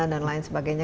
dan lain sebagainya